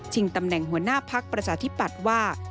ตำแหน่งหัวหน้าพักประชาธิปัตย์ว่า